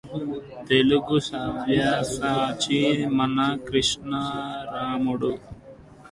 తెలుగుసవ్యసాచి మన కృష్ణరాయుడు